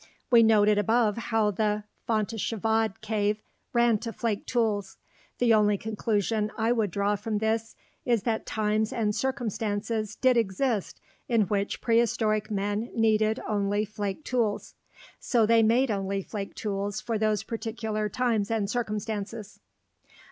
We noted above how the Fontéchevade cave ran to flake tools. The only conclusion I would draw from this is that times and circumstances did exist in which prehistoric men needed only flake tools. So they only made flake tools for those particular times and circumstances.